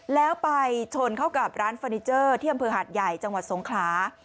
แล้วไปชนเข้ากับร้านเฟอร์นิเจอร์ที่อำเภอหาดใหญ่จังหวัดสงขลา